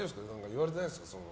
言われてないですか？